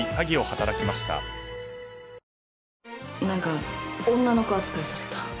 何か女の子扱いされた。